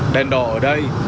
đèn đỏ ở đây